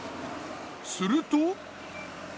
すると。